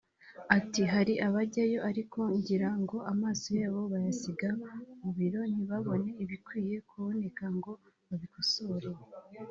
Ati “Hari abajyayo ariko ngira ngo amaso yabo bayasiga mu biro ntibabone ibikwiye kuboneka ngo babikosore